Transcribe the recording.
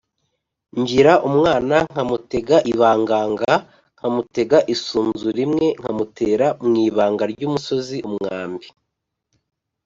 Ngira umwana nkamutega ibanganga nkamutega isunzu rimwe nkamutera mu ibanga ry'umusozi-Umwambi.